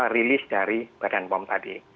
rilis dari badan pom tadi